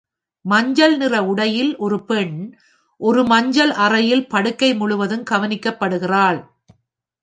மஞ்சள் நிற உடையில் ஒரு பெண் ஒரு மஞ்சள் அறையில் படுக்கை முழுவதும் கவனிக்கப்படுகிறாள்.